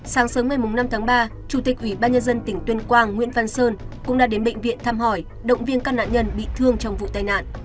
sáng sớm ngày năm tháng ba chủ tịch ubnd tỉnh tuyên quang nguyễn văn sơn cũng đã đến bệnh viện thăm hỏi động viên các nạn nhân bị thương trong vụ tai nạn